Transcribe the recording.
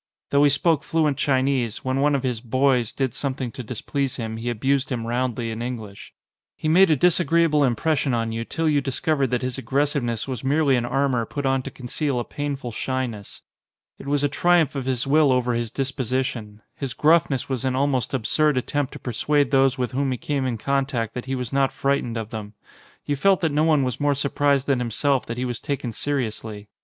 Though he spoke fluent Chinese, when one of his "boys" did something to displease him he abused him roundly in English. He made a disagreeable impression on you till you discovered that his aggressiveness was merely an armour put on to conceal a painful shyness. It was a triumph of his will over his disposition. His gruffness was an almost absurd attempt to persuade those with whom he came in contact that he was not fright ened of them. You felt that no one was more surprised than himself that he was taken seriously.